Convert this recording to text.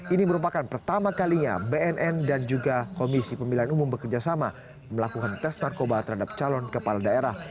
ini merupakan pertama kalinya bnn dan juga komisi pemilihan umum bekerjasama melakukan tes narkoba terhadap calon kepala daerah